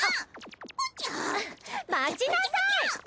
あっ待ちなさい！